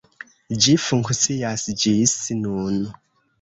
Ĝi funkcias ĝis nun.